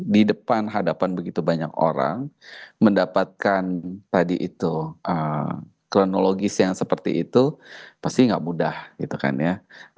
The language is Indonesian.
di depan hadapan begitu banyak orang mendapatkan tadi itu kronologis yang seperti itu pasti nggak mudah gitu kan ya